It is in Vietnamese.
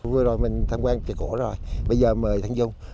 vừa rồi mình tham quan trà cổ rồi bây giờ mời thành dung